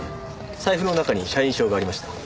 財布の中に社員証がありました。